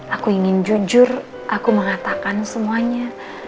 aku ingin jujur aku mengatakan semuanya